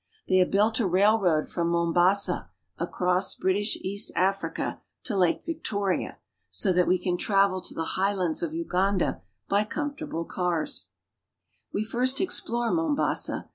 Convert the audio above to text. They have built a railroad from Mombasa across British East Africa to Lake Victoria, so that we can travel to the highlands of I Uganda by comfortable cars, I We first explore Mombasa.